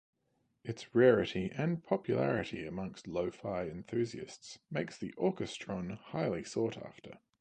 Its rarity and popularity amongst lo-fi enthusiasts makes the Orchestron highly sought after.